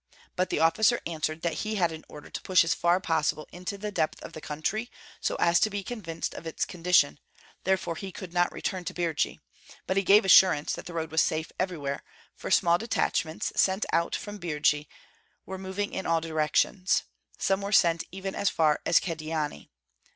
But the officer answered that he had an order to push as far as possible into the depth of the country, so as to be convinced of its condition, therefore he could not return to Birji; but he gave assurance that the road was safe everywhere, for small detachments, sent out from Birji, were moving in all directions, some were sent even as far as Kyedani.